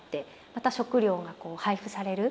また食料が配布される。